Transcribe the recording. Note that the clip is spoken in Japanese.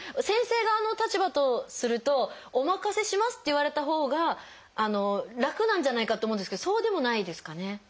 先生側のお立場とすると「お任せします」って言われたほうが楽なんじゃないかと思うんですけどそうでもないですかね？